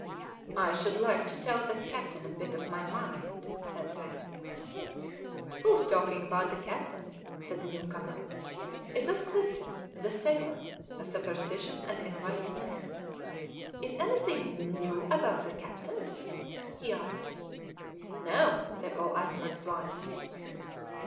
"I should like to tell the captain a bit of my mind," said Pen. "Who's talking about the captain?" said a new comer. It was Clifton, the sailor, a superstitious and envious man. "Is anything new known about the captain?" he asked. "No," they all answered at once.